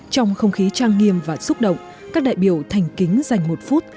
trong không khí trang nghiêm và xúc động các đại biểu thành kính dành một phút